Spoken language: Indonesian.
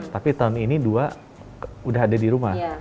tapi tahun ini dua udah ada di rumah